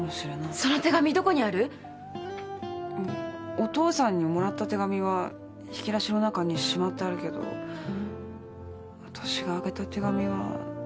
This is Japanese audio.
お父さんにもらった手紙は引き出しの中にしまってあるけどわたしがあげた手紙はどこにあんのか。